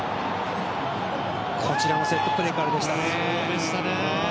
こちらもセットプレーからでしたね。